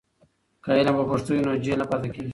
که علم په پښتو وي نو جهل نه پاتې کېږي.